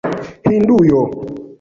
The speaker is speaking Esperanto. Hindujo